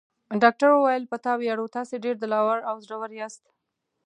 ډاکټر وویل: په تا ویاړو، تاسي ډېر دل اور او زړور یاست.